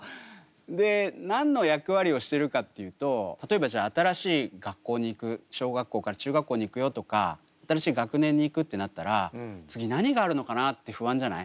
で何の役割をしてるかっていうと例えばじゃあ新しい学校に行く小学校から中学校に行くよとか新しい学年に行くってなったら次何があるのかなって不安じゃない？